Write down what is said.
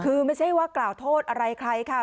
คือไม่ใช่ว่ากล่าวโทษอะไรใครค่ะ